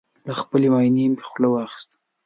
له خپلې ماينې مې خوله واخيسته